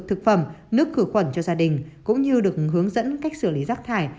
thực phẩm nước khử khuẩn cho gia đình cũng như được hướng dẫn cách xử lý rác thải